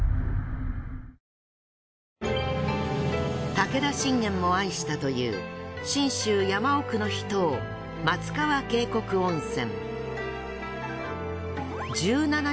武田信玄も愛したという信州山奥の秘湯松川渓谷温泉。